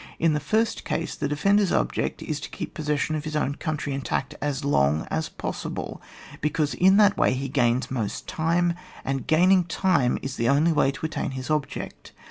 In the first case, the defender's object is to keep possession of his own country intact as long as possible, because in that way he gains most time; and gaining time is the only way to attain his object.